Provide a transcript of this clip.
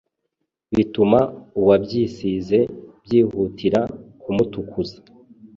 bituma uwabyisize byihutira kumutukuza